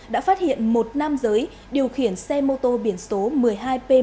đã phát hiện một nam giới điều khiển xe mô tô biển số một mươi hai p một bốn nghìn bảy trăm tám mươi tám